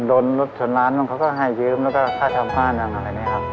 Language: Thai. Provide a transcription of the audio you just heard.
โดนรถชนร้านบ้างเขาก็ให้ยืมแล้วก็ค่าเช่าบ้านอะไรแบบนี้ครับ